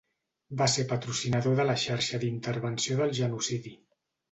Va ser patrocinador de la Xarxa d'intervenció del Genocidi.